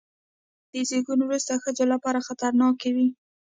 غوماشې د زیږون وروسته ښځو لپاره خطرناک وي.